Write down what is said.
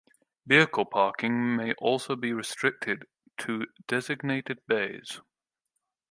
Vehicle parking may also be restricted to designated bays.